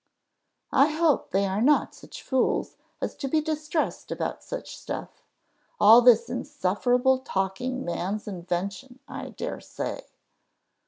"I hope they are not such fools as to be distressed about such stuff. All this insufferable talking man's invention, I dare say."